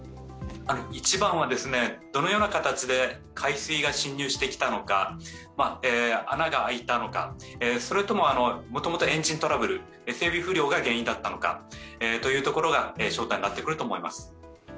一番は、どのような形で海水が浸入してきたのか穴が開いたのか、それとももともとエンジントラブル、整備不良が原因だったのかというところが焦点になってくると思います。